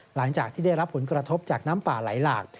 หลังจากที่ได้รับผลกระทบจากน้ำป่าไหลหลาก